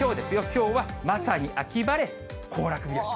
きょうはまさに秋晴れ、行楽日和